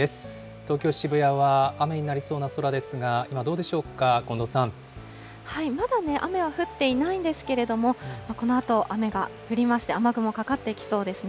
東京・渋谷は雨になりそうな空ですが、今、どうでしょうか、近藤まだね、雨は降っていないんですけれども、このあと雨が降りまして、雨雲かかってきそうですね。